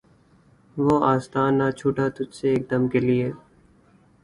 وہ آستاں نہ چھٹا تجھ سے ایک دم کے لیے